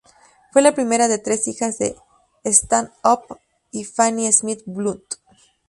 Fue la primera de tres hijas de Stanhope y Fanny Smyth Blunt.